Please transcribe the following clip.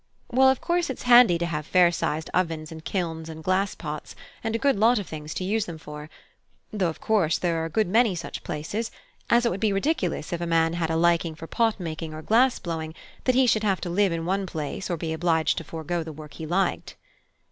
Well, of course it's handy to have fair sized ovens and kilns and glass pots, and a good lot of things to use them for: though of course there are a good many such places, as it would be ridiculous if a man had a liking for pot making or glass blowing that he should have to live in one place or be obliged to forego the work he liked."